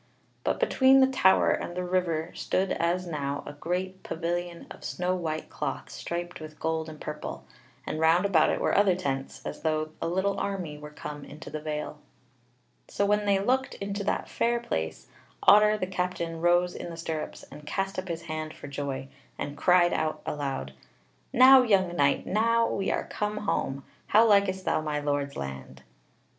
But between the tower and the river stood as now a great pavilion of snow white cloth striped with gold and purple; and round about it were other tents, as though a little army were come into the vale. So when they looked into that fair place, Otter the Captain rose in the stirrups and cast up his hand for joy, and cried out aloud: "Now, young knight, now we are come home: how likest thou my Lord's land?"